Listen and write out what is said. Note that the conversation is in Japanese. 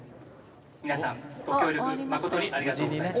皆さんご協力誠にありがとうございました。